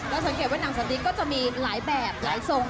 สังเกตว่าหนังสติ๊กก็จะมีหลายแบบหลายทรง